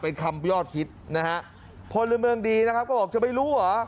เป็นคำยอดฮิตนะฮะพลเมืองดีนะครับก็บอกจะไม่รู้เหรอ